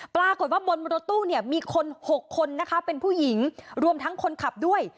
ปรากฏว่าบนรถตู้เนี่ยมีคน๖คนนะคะเป็นผู้หญิงรวมทั้งคนขับด้วย